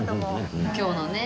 今日のね。